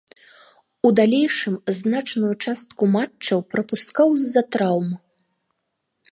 У далейшым значную частку матчаў прапускаў з-за траўм.